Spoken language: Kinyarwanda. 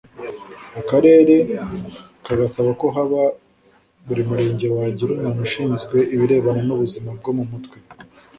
Akarere kagasaba ko haba buri murenge wagira umuntu ushinzwe ibirebana n’ubuzima bwo mu mutwe